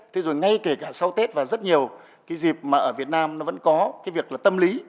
thế rồi ngay kể cả sau tết và rất nhiều dịp mà ở việt nam nó vẫn có việc tâm lý